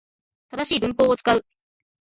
正しい文法を使う